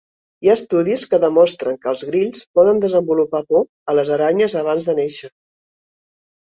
Hi ha estudis que demostren que els grills poden desenvolupar por a les aranyes abans de néixer.